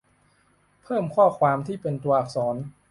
เพิ่มข้อความที่เป็นตัวอักษร